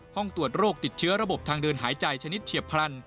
ห้องตรวจโรคติดเชื้อระบบทางเดินหายใจชนิดเฉียบพลัน